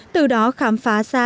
từ đó khám phá ra